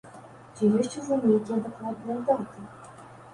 Ці ёсць ужо нейкія дакладныя даты?